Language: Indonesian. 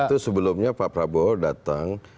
itu sebelumnya pak prabowo datang